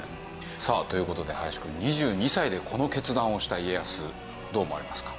さあという事で林くん２２歳でこの決断をした家康どう思われますか？